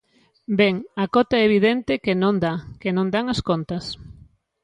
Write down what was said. Ben, a cota é evidente que non dá, que non dan as contas.